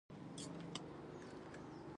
وزې خپل چرته پېژني